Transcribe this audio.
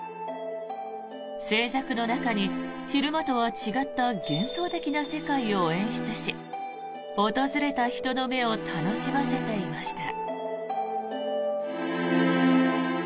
静寂の中に、昼間とは違った幻想的な世界を演出し訪れた人の目を楽しませていました。